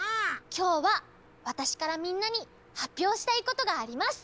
きょうはわたしからみんなにはっぴょうしたいことがあります！